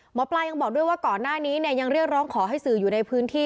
หมอปลายังบอกด้วยว่าก่อนหน้านี้เนี่ยยังเรียกร้องขอให้สื่ออยู่ในพื้นที่